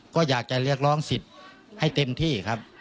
ก็อยากจะเรียกร้องสิทธิ์ให้เต็มที่ครับ